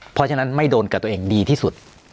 เพราะฉะนั้นไม่โดนกับตัวเองดีที่สุด